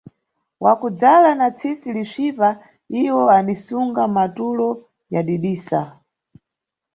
Wakudzala na tsisi lisvipa, iwo anisunga matulo yadidisa.